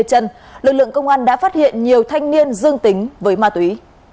vào thời điểm lực lượng công an đã phát hiện nhiều thanh niên dương tính với ma túy